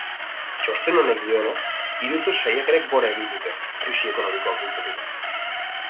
Txosten honen dioenez, iruzur saiakerek gora egin dute krisi ekonomikoak bultzatuta.